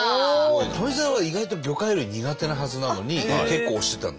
富澤は意外と魚介類苦手なはずなのに結構押してたんで。